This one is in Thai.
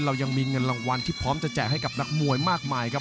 เรายังมีเงินรางวัลที่พร้อมจะแจกให้กับนักมวยมากมายครับ